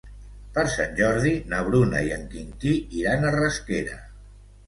Per Sant Jordi na Bruna i en Quintí iran a Rasquera.